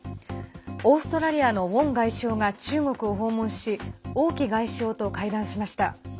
オーストラリアのウォン外相が中国を訪問し王毅外相と会談しました。